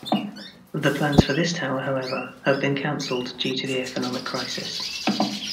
The plans for this tower, however, have been cancelled due to the economic crisis.